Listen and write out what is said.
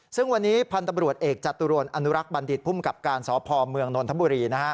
ซึ่งวันนี้พันธุ์ตำรวจเอกจตุรนอนุรักษ์บัณฑิตภูมิกับการสพเมืองนนทบุรี